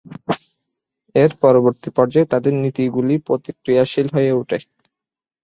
এর পরবর্তী পর্যায়ে তাদের নীতিগুলি প্রতিক্রিয়াশীল হয়ে ওঠে।